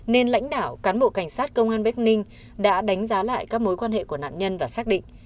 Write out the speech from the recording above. nên lãnh đạo cán bộ cảnh sát công an bắc ninh đã đánh giá lại các mối quan hệ của nạn nhân và xác định